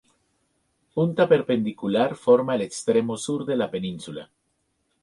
Punta Perpendicular forma el extremo sur de la península.